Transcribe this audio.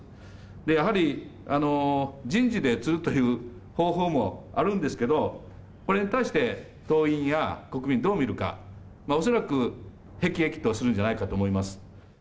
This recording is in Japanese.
やはり、人事で釣るという方法もあるんですけど、これに対して、党員や国民どう見るか、恐らく、辟易とするんじゃないかと思いま